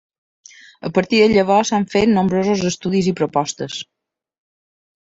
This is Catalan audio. A partir de llavors, s'han fet nombrosos estudis i propostes.